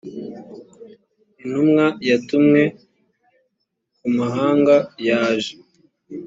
intumwa yatumwe ku mahanga yaje